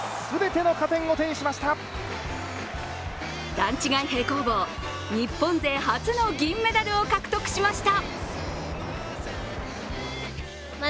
段違い平行棒、日本勢初の銀メダルを獲得しました。